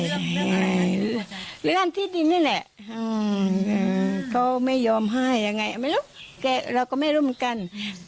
เรื่องที่ดินนี่แหละเขาไม่ยอมให้ยังไงไม่รู้เราก็ไม่รู้เหมือนกัน